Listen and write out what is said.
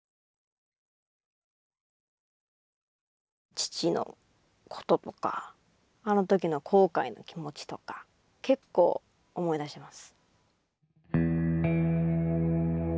父のこととかあの時の後悔の気持ちとか結構思い出します。